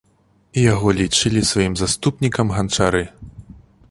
Яго лічылі сваім заступнікам ганчары.